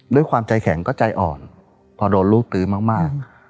ด้วยความใจแข็งก็ใจอ่อนพอโดนลูกตื้อมาก